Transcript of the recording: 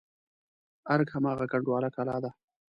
ارګ هماغه کنډواله کلا ده.